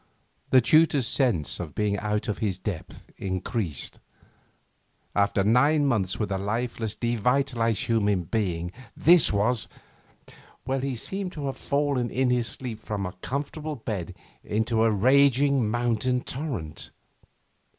The tutor's sense of being out of his depth increased. After nine months with a lifeless, devitalised human being, this was well, he seemed to have fallen in his sleep from a comfortable bed into a raging mountain torrent.